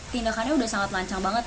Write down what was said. tindakannya udah sangat lancar banget